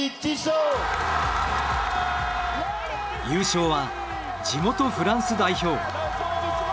優勝は地元フランス代表。